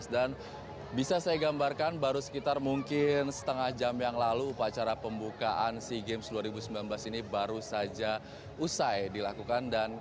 dan bisa saya gambarkan baru mungkin sekitar setengah jam yang lalu upacara pembukaan sea games dua ribu sembilan belas ini baru saja usai dilakukan